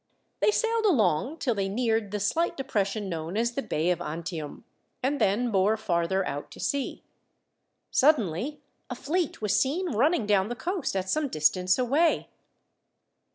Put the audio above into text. They sailed along till they neared the slight depression known as the Bay of Antium, and then bore farther out to sea. Suddenly a fleet was seen running down the coast at some distance away.